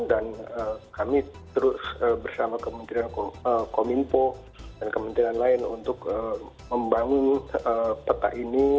dan kami terus bersama kementerian kominpo dan kementerian lain untuk membangun peta ini